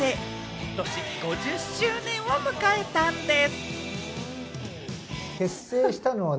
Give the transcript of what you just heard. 今年５０周年を迎えたんでぃす！